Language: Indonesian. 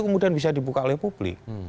kemudian bisa dibuka oleh publik